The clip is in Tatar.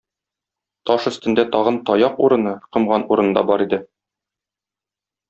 Таш өстендә тагын таяк урыны, комган урыны да бар иде.